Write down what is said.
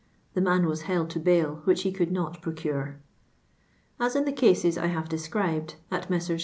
The man was held to bail, which he could not procure. As in the cases I have described (at Messrs.